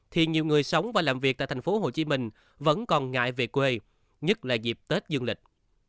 thì nhiều người sống và làm việc tại thành phố hồ chí minh vẫn còn ngại về quê nhất là dịp tết dương lịch